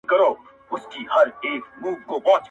کيسه پراخه بڼه اخلي-